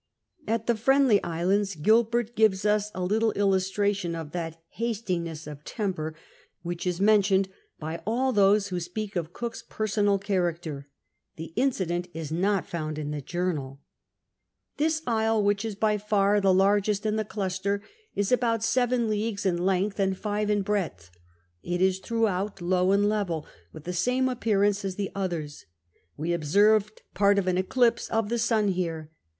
At the Friendly Islands Gilbert gives .us a little illustration of that hastiness of temper which is men tioned by all those who speak of Cook's personal character. The incident is not found in the journal. This isle, which is by far the laigest in the cluster, is about seven leagues in length and five in breadth : it is throughout low and level, with the same appearance as the others ; we observed X)art of an eclipse of the sun here.